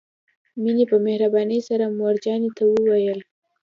مينې په مهربانۍ سره مور جانې ته وويل.